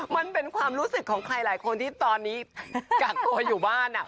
มันเป็นความรู้สึกของใครหลายคนที่ตอนนี้กักตัวอยู่บ้าน